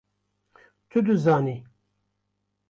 Tu dizanî!